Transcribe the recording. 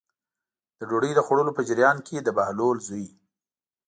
د ډوډۍ د خوړلو په جریان کې د بهلول زوی.